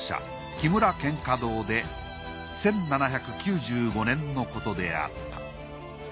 木村蒹葭堂で１７９５年のことであった。